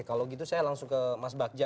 kalau gitu saya langsung ke mas bagja